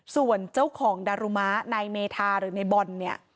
ส่วนเจ้าของดารุมะนายเมธาหรือในบอลเนี่ย